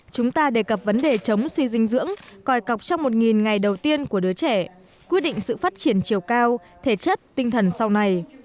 chúng ta đề cập vấn đề chống suy dinh dưỡng còi cọc trong một ngày đầu tiên của đứa trẻ quyết định sự phát triển chiều cao thể chất tinh thần sau này